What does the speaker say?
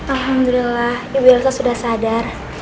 alhamdulillah ibu elsa sudah sadar